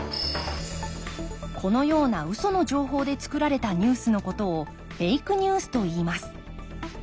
このようなウソの情報でつくられたニュースのことをフェイクニュースといいます。